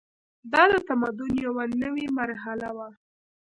دا د تمدن یوه نوې مرحله وه.